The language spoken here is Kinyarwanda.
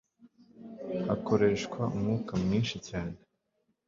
hakoreshwa umwuka mwinshi cyane